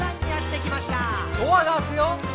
「ドアが開くよ」